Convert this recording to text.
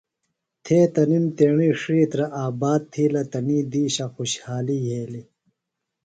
تھے تنِم تیݨی ڇِھیترہ آباد تِھیلہ۔ تنی دِیشہ خوشحالیۡ یھیلیۡ۔